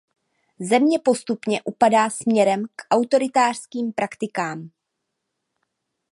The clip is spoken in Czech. Země postupně upadá směrem k autoritářským praktikám.